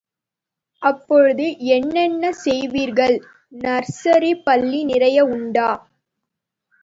அப்போது என்னென்ன செய்வீர்கள்? நர்சரி பள்ளி நிறைய உண்டா?